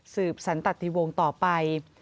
สืบสรรตัฐิวงต่อไป